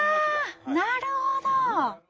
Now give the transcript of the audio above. なるほど！